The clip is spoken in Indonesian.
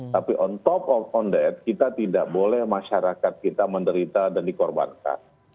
tapi on top of on that kita tidak boleh masyarakat kita menderita dan dikorbankan